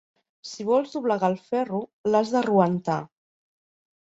Si vols doblegar el ferro, l'has d'arroentar.